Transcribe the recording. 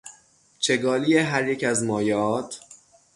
چگالی هریک از مایعات